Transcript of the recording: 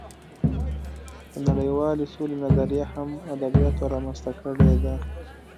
د نړۍوالې سولې نظریه هم ادبیاتو رامنځته کړې ده